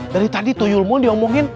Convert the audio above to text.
dari tadi tuyul mau diomongin